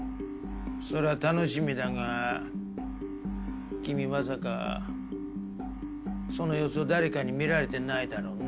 それは楽しみだが君まさかその様子を誰かに見られていないだろうね？